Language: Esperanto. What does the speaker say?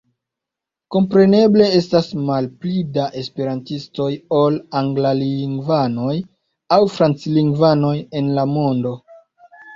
Kompreneble estas malpli da esperantistoj ol anglalingvanoj aŭ franclingvanoj en la mondo.